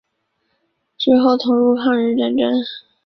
之后投入抗日战争。